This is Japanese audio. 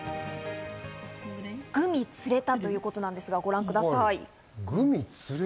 「グミつれた」ということなんですが、ご覧ください。